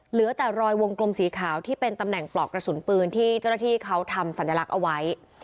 เหลือแต่รอยวงกลมสีขาวที่เป็นตำแหน่งปลอกกระสุนปืนที่เจ้าหน้าที่เขาทำสัญลักษณ์เอาไว้